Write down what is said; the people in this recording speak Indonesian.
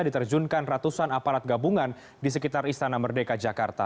diterjunkan ratusan aparat gabungan di sekitar istana merdeka jakarta